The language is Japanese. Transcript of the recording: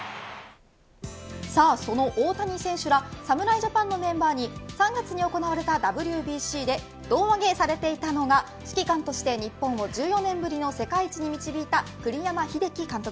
その大谷選手ら侍ジャパンのメンバーに３月に行われたＷＢＣで胴上げされていたのが指揮官として日本を１４年ぶりの世界一に導いた栗山英樹監督。